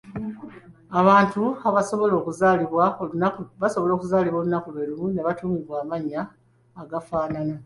Abantu basobola okuzaalibwa olunaku lwe lumu ne batuumibwa n'amannya agafaanagana?